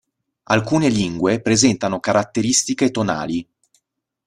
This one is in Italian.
Alcune lingue presentano caratteristiche tonali.